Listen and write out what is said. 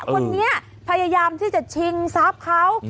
คนนี้พยายามที่จะชิงทรัพย์เขา